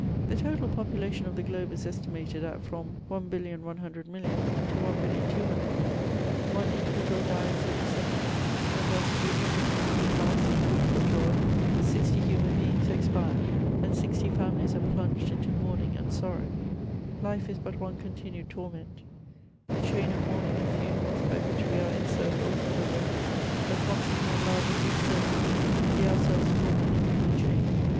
The total population of the globe is estimated at from 1,100,000,000 to 1,200,000,000 : one individual dies every second ; and thus during every minute we pass, in grief or joy, sixty human beings expire, and sixty fseuni lies are plunged into mourning and sorrow. life is but one continued torment. The chain of mourning •and funerals by which we are encircled never breaks, but con stantly enlarges its circuit: we ourselves form a Unk in the chain.